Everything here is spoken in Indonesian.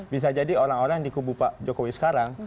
bisa jadi orang orang di kubu pak jokowi sekarang